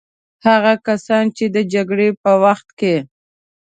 هغه کسان چې د جګړې په وخت کې.